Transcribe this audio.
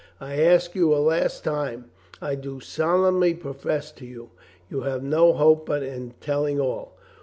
"I ask you a last time. I do solemnly profess to you, you have no hope but in telling all.